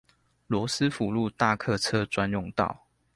羅斯福路大客車專用道